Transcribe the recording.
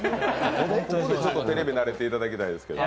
ここでテレビに慣れていただきたいですど。